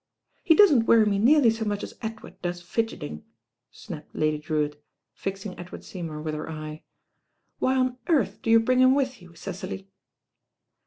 He docsn t worry me nearly so much as Edward does fidgctmg," snapped Lady Drewitt, fixing Ed ward Seymour with her eye. "Why on earth do you bring him with you, Cecily?"